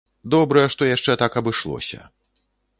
Добра, што яшчэ так абышлося.